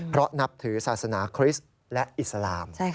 เพราะนับถือศาสนาคริสต์และอิสลาม